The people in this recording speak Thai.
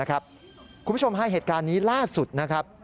คุณผู้ชมฮะเหตุการณ์นี้ล่าสุดนะครับ